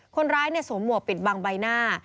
คนร้ายสวมหมวกปิดบังใบหน้า